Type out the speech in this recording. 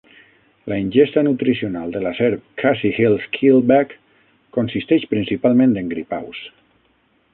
La ingesta nutricional de la serp Khasi Hills Keelback consisteix principalment en gripaus.